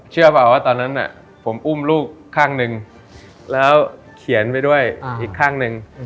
เชื่อเปล่าว่าตอนนั้นผมอุ้มลูกข้างหนึ่งแล้วเขียนไปด้วยอีกข้างหนึ่ง